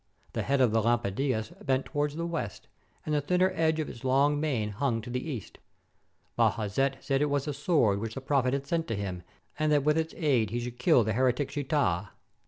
The head of the Lampadias bent to wards the west, and the thinner end of its long mane hung to the east. Bajazet said it was a sword which the Prophet had sent to him, and that with its aid he should kill the heretic Shitaa.